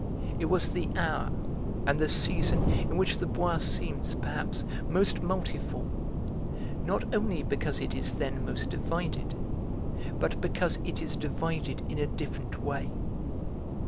It was the hour and the season in which the Bois seems, perhaps, most multiform, not only because it is then most divided, but because it is divided in a different way.